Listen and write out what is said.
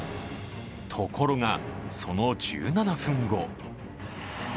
ところが、その１７分後。